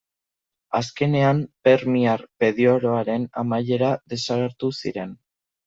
Azkenean, permiar periodoaren amaieran desagertu ziren.